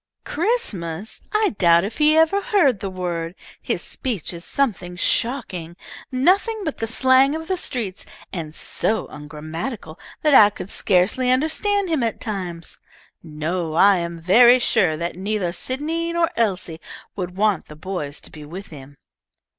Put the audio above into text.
"Christmas! I doubt if he ever heard the word. His speech is something shocking; nothing but the slang of the streets, and so ungrammatical that I could scarcely understand him at times. No, I am very sure that neither Sydney nor Elise would want the boys to be with him."